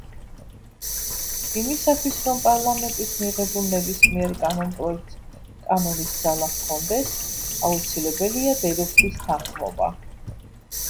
იმისათვის, რომ პარლამენტის მიღებულ ნებისმიერ კანონპროექტს კანონის ძალა ჰქონდეს, აუცილებელია დედოფლის თანხმობა.